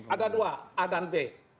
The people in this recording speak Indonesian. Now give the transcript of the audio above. ada dua a dan b